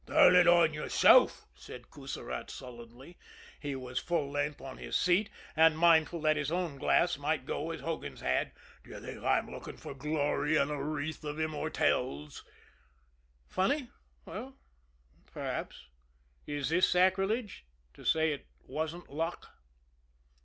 "Turn it on yourself," said Coussirat sullenly; he was full length on his seat, and mindful that his own glass might go as Hogan's had. "D'ye think I'm looking for glory and a wreath of immortelles?" Funny? Well, perhaps. Is this sacrilege to say it wasn't luck?